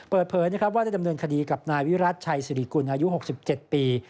เปิดเผยนะครับว่าได้ดำเนินคดีกับนายวิรัติชัยสิริกุลอายุ๖๗ปี